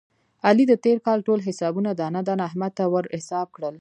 علي د تېر کال ټول حسابونه دانه دانه احمد ته ور حساب کړل.